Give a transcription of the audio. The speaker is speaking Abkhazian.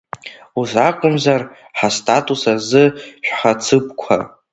Ус акәымзар, ҳастатус азы шәҳацықәԥа!